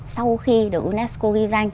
sau khi được unesco ghi danh